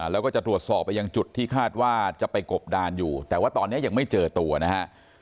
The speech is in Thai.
แล้วก็จะตรวจสอบไปยังจุดที่คาดว่าจะไปกบดานอยู่แต่ว่าตอนนี้ยังไม่เจอตัวนะฮะ